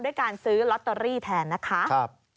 ด้วยการซื้อลอตเตอรี่แทนนะคะ